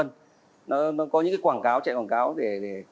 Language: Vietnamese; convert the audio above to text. nó có những cái quảng cáo chạy quảng cáo để